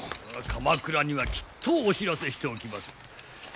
鎌倉にはきっとお知らせしておきまする。